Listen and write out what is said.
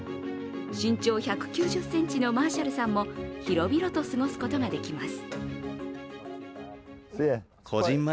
身長１９０ｃｍのマーシャルさんも広々と過ごすことができます。